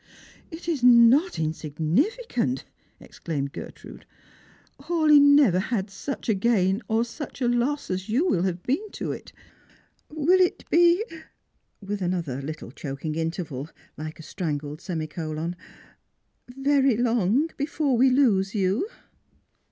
" It is not insignificant," exclaimed Gertrude. " Hawleigh never had such a gain or such a loss as you will have been to it. ' "Will it be" — with another little choking interval, like a strangled semicolon — "very long before we lose you?